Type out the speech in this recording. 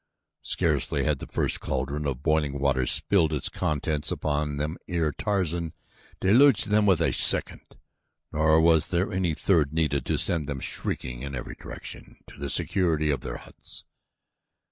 Scarcely had the first cauldron of boiling water spilled its contents upon them ere Tarzan deluged them with a second, nor was there any third needed to send them shrieking in every direction to the security of their huts.